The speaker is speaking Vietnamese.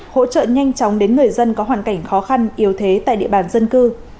hỗ trợ nhanh chóng đến người dân có hoàn cảnh khó khăn yếu thế tại địa bàn dân cư